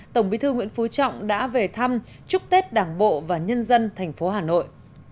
tổng bí thư nguyễn phú trọng đã về thăm chúc tết đảng bộ và nhân dân thành phố hà nội